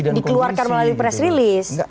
kenapa itu dikeluarkan melalui press release